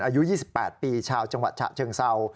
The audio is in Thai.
อายุ๒๘ปีชาวจังหวัดฉะเชิงเศร้า